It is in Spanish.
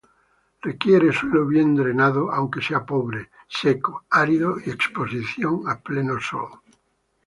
Requiere suelo bien drenado aunque sea pobre, seco, árido, y exposición a pleno sol.